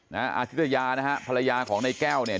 อาทิตยานะฮะภรรยาของนายแก้วเนี่ย